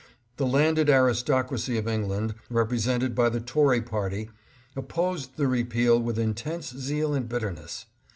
The landed aristocracy of England, represented by the Tory party, opposed the repeal with intense zeal and bitterness.